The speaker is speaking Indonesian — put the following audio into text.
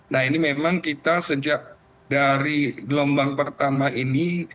nah ini memang kita sejak dari gelombang pertama ini